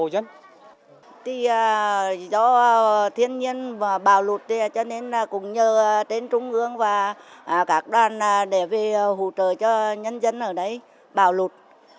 rất phần khởi rất phần khởi và hạnh phúc